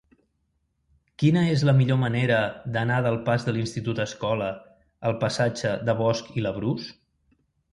Quina és la millor manera d'anar del pas de l'Institut Escola al passatge de Bosch i Labrús?